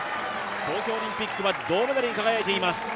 東京オリンピックは銅メダルに輝いています。